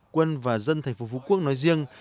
quân và dân thành phố phú quốc nói riêng